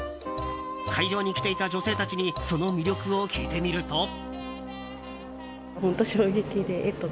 会場に来ていた女性たちにその魅力を聞いてみると。